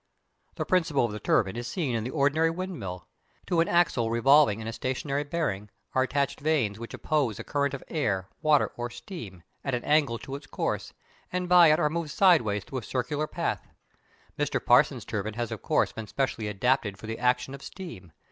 The principle of the turbine is seen in the ordinary windmill. To an axle revolving in a stationary bearing are attached vanes which oppose a current of air, water, or steam, at an angle to its course, and by it are moved sideways through a circular path. Mr. Parsons' turbine has of course been specially adapted for the action of steam.